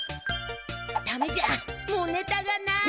ダメじゃもうネタがない！